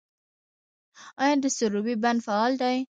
آیا د سروبي بند فعال دی؟